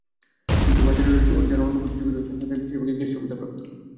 কিন্তু বাজারের অন্যান্য যাঁরা প্রতিযোগী রয়েছেন, তাঁদের বেশির ভাগই গ্যাস সুবিধাপ্রাপ্ত।